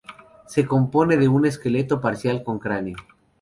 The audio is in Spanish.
Se compone de un esqueleto parcial con cráneo.